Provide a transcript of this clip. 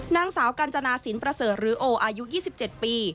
นางสาวกัญจนาสินประเสริฐหรือโออายุ๒๗ปี